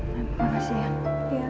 terima kasih ya